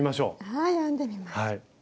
はい編んでみます。